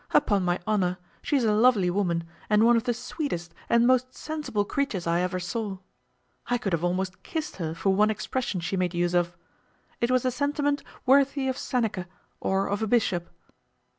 Upon my honour, she is a lovely woman, and one of the sweetest and most sensible creatures I ever saw. I could have almost kissed her for one expression she made use of. It was a sentiment worthy of Seneca, or of a bishop.